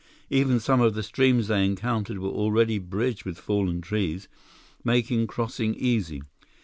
Even some of the streams they encountered were already bridged with fallen trees, making crossing easy.